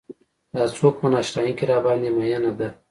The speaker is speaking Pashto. دا څوک په نا اشنايۍ کې راباندې مينه ده.